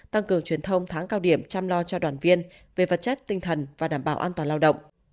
tăng cường truyền thông tháng cao điểm chăm lo cho đoàn viên về vật chất tinh thần và đảm bảo an toàn lao động